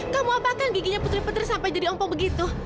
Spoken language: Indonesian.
kamu apakan giginya putri petir sampai jadi ompo begitu